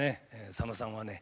佐野さんはね